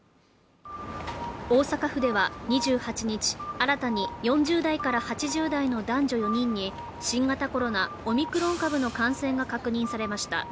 大阪府では２８日、新たに４０代から８０代の男女４人に新型コロナ・オミクロン株の感染が確認されました。